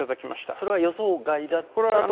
それは予想外だったと。